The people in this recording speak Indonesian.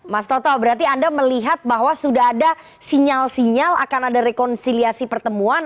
mas toto berarti anda melihat bahwa sudah ada sinyal sinyal akan ada rekonsiliasi pertemuan